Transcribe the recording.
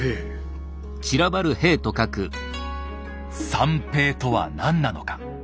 「散兵」とは何なのか。